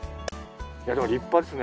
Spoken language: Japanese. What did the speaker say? いやでも立派ですね。